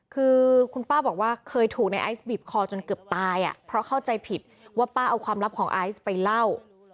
คือคุณป้าบอกว่าเคยถูกในไอซ์บีบคอจนเกือบตายอ่ะเพราะเข้าใจผิดว่าป้าเอาความลับของไอซ์ไปเล่า